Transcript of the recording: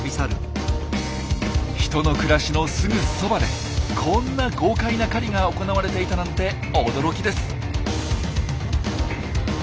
人の暮らしのすぐそばでこんな豪快な狩りが行われていたなんて驚きです。